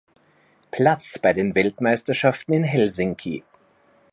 Platz bei den Weltmeisterschaften in Helsinki.